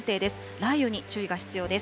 雷雨に注意が必要です。